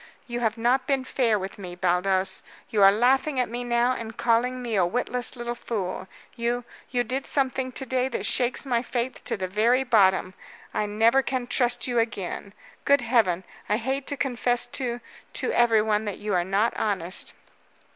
"You have not been fair with me, Baldos. You are laughing at me now and calling me a witless little fool. You you did something to day that shakes my faith to the very bottom. I never can trust you again. Good heaven, I hate to confess to to everyone that you are not honest."